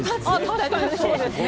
確かにそうですね。